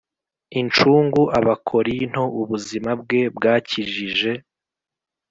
incungu Abakorinto Ubuzima bwe bwakijije